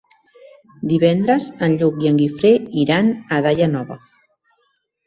Divendres en Lluc i en Guifré iran a Daia Nova.